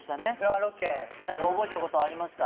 何か覚えてることありますか？